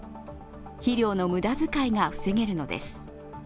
肥料の無駄遣いが防げるのです。